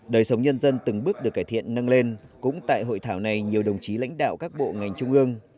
đời sống nhân dân từng bước được cải thiện nâng lên cũng tại hội thảo này nhiều đồng chí lãnh đạo các bộ ngành trung ương